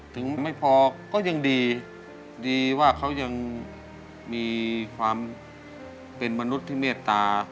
ถึงไม่พอก็ยังดีดีว่าเขายังมีความเป็นมนุษย์ที่เมตตา